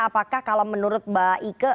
apakah kalau menurut mbak ike